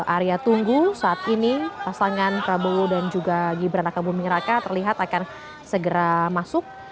area tunggu saat ini pasangan prabowo dan juga gibran raka buming raka terlihat akan segera masuk